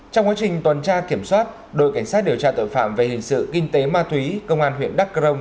trong quá trình tuần tra kiểm soát đội cảnh sát điều tra tội phạm về hình sự kinh tế ma túy công an huyện đắk cơ rông